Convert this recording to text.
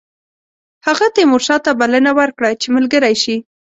هغه تیمورشاه ته بلنه ورکړه چې ملګری شي.